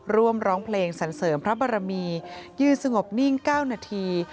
ร้องเพลงสันเสริมพระบรมียืนสงบนิ่ง๙นาที